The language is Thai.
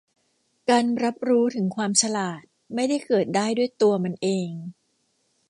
การรับรู้ถึงความฉลาดไม่ได้เกิดได้ด้วยตัวมันเอง